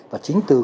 và chính tự nhiên